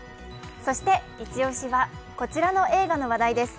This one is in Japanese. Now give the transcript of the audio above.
そしてイチ押しは、こちらの映画の話題です。